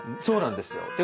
そうなんですよ。